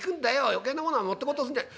余計なものは持ってこうとすんじゃ。